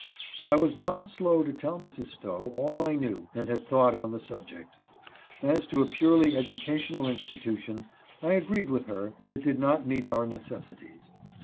I was not slow to tell Mrs. Stowe all I knew and had thought on the subject. As to a purely educational institution, I agreed with her that it did not meet our necessities.